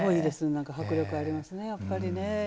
なんか迫力ありますねやっぱりね。